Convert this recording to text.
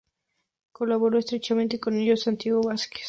Colaboró estrechamente con ellos Santiago Vázquez.